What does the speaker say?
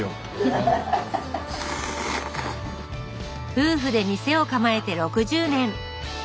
夫婦で店を構えて６０年。